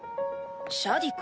シャディク。